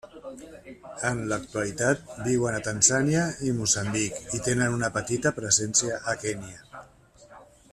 En l'actualitat viuen a Tanzània i Moçambic i tenen una petita presència a Kenya.